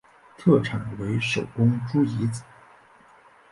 特产为手工猪胰子。